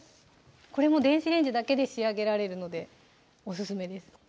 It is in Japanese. これも電子レンジだけで仕上げられるのでオススメです